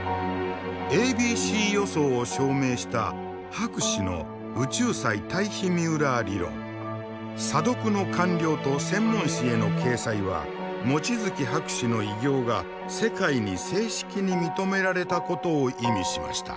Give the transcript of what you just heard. ａｂｃ予想を証明した博士の査読の完了と専門誌への掲載は望月博士の偉業が世界に正式に認められたことを意味しました。